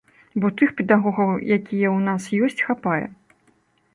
Бо тых педагогаў, якія ў нас ёсць, хапае.